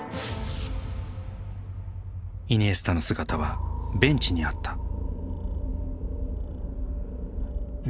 イニエスタの姿はベンチにあった。